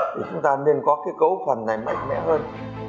thì chúng ta nên có cái cấu phần này mạnh mẽ hơn